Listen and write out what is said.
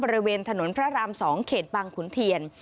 บริเวณถนนพระราม๒เขตบางขุนเทียน